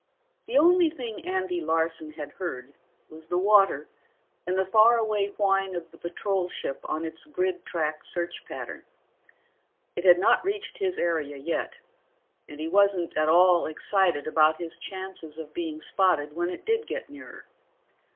] The only thing Andy Larson had heard was the water and the far away whine of the patrol ship on its grid track search pattern. It had not reached his area yet, and he wasn't at all excited about his chances of being spotted when it did get nearer.